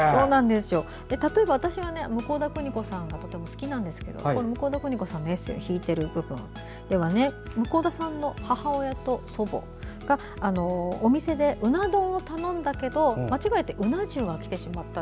例えば、私は向田邦子さんがとても好きですが向田邦子さんのエッセーを引いている部分では向田さんの母親と祖母がお店でうな丼を頼んだけど間違えてうな重がきてしまった。